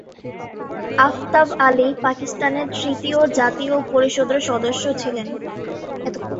আফতাব আলী পাকিস্তানের তৃতীয় জাতীয় পরিষদের সদস্য ছিলেন।